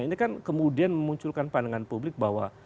ini kan kemudian memunculkan pandangan publik bahwa